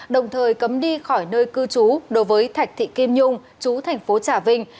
đồng thời cấm đi khỏi nơi cư chú đối với thạch thị kim nhung chú tp trà vinh